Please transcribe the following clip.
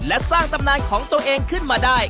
และสร้างตำนานของตัวเองขึ้นมาได้